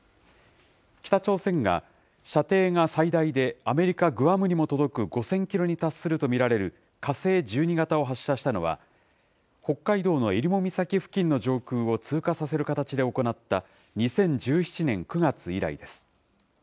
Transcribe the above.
北朝鮮が射程が最大でアメリカ・グアムにも届く５０００キロに達すると見られる火星１２型を発射したのは、北海道のえりも岬付近の上空を通過させる形で行った、２０１７年９月以来です。